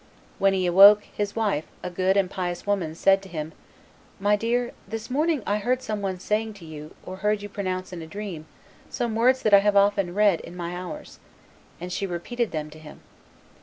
When he awoke, his wife, a good and pious woman, said to him, "My dear, this morning I heard some one saying to you, or you pronouncing in a dream, some words that I have often read in my Hours;" and she repeated them to him.